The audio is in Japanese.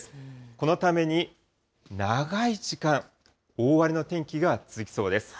このために長い時間、大荒れの天気が続きそうです。